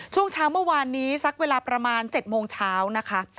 ช่วงเช้าเมื่อวานนี้สักเวลาประมาณ๗โมงเช้านะคะ